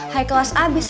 hai kelas abis